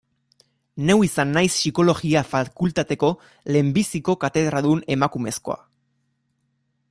Neu izan naiz Psikologia fakultateko lehenbiziko katedradun emakumezkoa.